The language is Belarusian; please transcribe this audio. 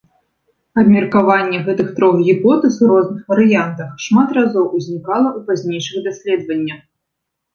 Абмеркаванне гэтых трох гіпотэз, у розных варыянтах, шмат разоў узнікала ў пазнейшых даследаваннях.